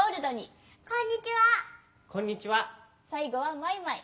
さいごはマイマイ。